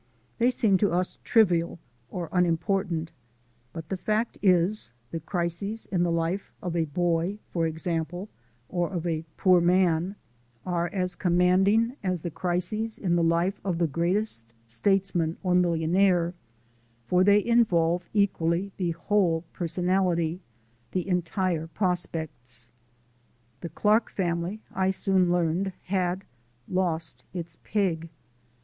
They seem to us trivial or unimportant; but the fact is, the crises in the life of a boy, for example, or of a poor man, are as commanding as the crises in the life of the greatest statesman or millionaire, for they involve equally the whole personality, the entire prospects. The Clark family, I soon learned, had lost its pig.